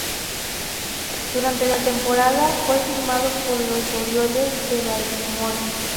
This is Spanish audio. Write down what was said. Durante la temporada, fue firmado por los Orioles de Baltimore.